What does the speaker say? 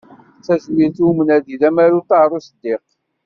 D tajmilt i umnadi d umaru Ṭaher Useddiq.